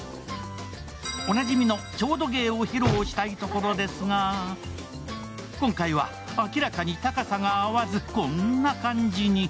おなじみのちょうど芸を披露したいところですが、今回は明らかに高さが合わず、こんな感じに。